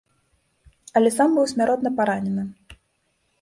Але сам быў смяротна паранены.